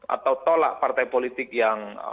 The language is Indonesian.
atau tolak partai politik yang